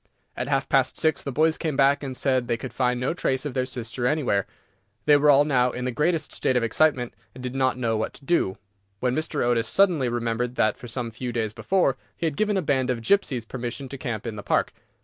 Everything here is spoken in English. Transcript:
At half past six the boys came back and said that they could find no trace of their sister anywhere. They were all now in the greatest state of excitement, and did not know what to do, when Mr. Otis suddenly remembered that, some few days before, he had given a band of gipsies permission to camp in the park.